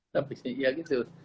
tapi sih ya gitu